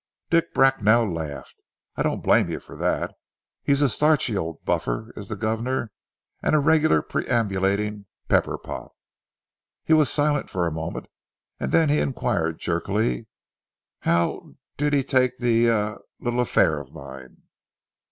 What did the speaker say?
Dick Bracknell laughed. "I don't blame you for that. He's a starchy old buffer is the governor, and a regular perambulating pepper pot." He was silent for a moment, and then he inquired jerkily, "How a did he take that a a little affair of mine?"